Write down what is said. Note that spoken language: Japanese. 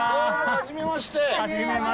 はじめまして。